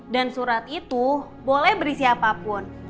dan surat itu boleh beri siapapun